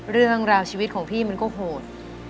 เรื่องราวชีวิตของพี่มันก็โหด